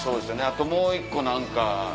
あともう１個何か。